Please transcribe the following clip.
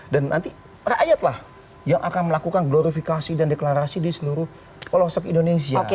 dan nanti rakyat lah yang akan melakukan glorifikasi dan deklarasi di seluruh kolosok indonesia